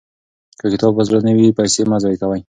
که کتاب په زړه نه وي، پیسې مه ضایع کوئ.